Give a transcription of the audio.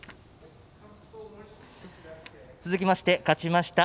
続きまして勝ちました